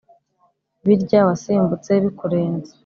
birya wasimbutse bikurenze